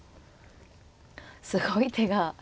すごい手が。